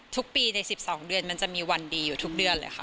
ทุกปีใน๑๒เดือนมันจะมีวันดีอยู่ทุกเดือนเลยค่ะ